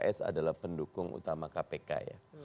pks adalah pendukung utama kpk ya